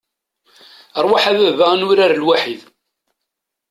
Ṛwaḥ a baba ad nurar lwaḥid!